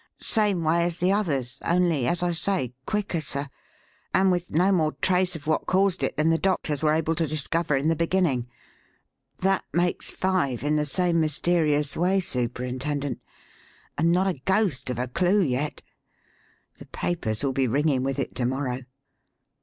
"Same way as the others, only, as I say, quicker, sir; and with no more trace of what caused it than the doctors were able to discover in the beginning. That makes five in the same mysterious way, Superintendent, and not a ghost of a clue yet. The papers will be ringing with it to morrow."